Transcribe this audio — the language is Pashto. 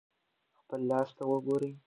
خپل لاس ته وګورئ.